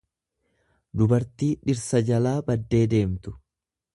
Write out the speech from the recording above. dubartii dhirsa jalaa baddee deemtu.